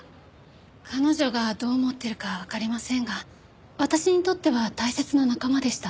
彼女がどう思ってるかはわかりませんが私にとっては大切な仲間でした。